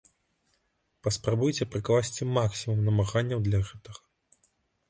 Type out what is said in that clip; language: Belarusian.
Паспрабуйце прыкласці максімум намаганняў для гэтага.